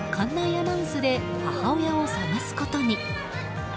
アナウンスで母親を捜すことに。